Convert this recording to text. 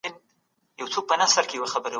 د اسلام په مبارک دين کي د حق لاره روښانه ده.